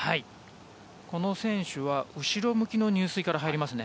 この選手は後ろ向きの入水から入りますね。